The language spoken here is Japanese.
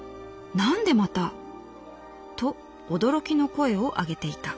なんでまた！？』と驚きの声を上げていた」。